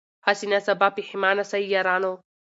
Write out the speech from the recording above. هسي نه سبا پښېمانه سی یارانو